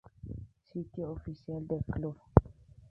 Sitio oficial del club